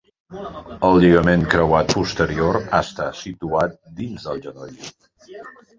El lligament creuat posterior està situat dins del genoll.